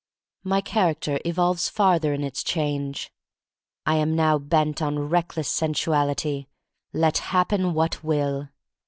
My character evolves farther in its change. I am now bent on reckless sensuality, let happen what will.